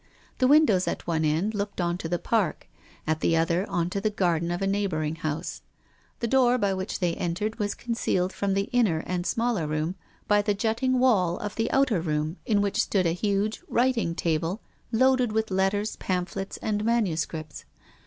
The windows at one end looked on to the Park, at the other on to the garden of a neighbouring house. The door by which they entered was concealed from the inner and smaller room by the jutting wall of the outer room, in PROFESSOR GUILDEA. 277 which stood a huge writing table loaded with letters, pamphlets and manuscripts.